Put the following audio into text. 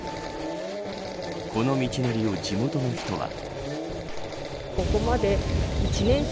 この道のりを地元の人は。